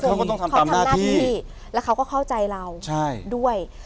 เขาทำหน้าที่แล้วเขาก็เข้าใจเราด้วย